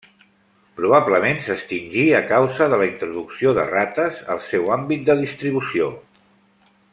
Probablement s'extingí a causa de la introducció de rates al seu àmbit de distribució.